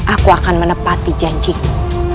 aku akan menepati janjimu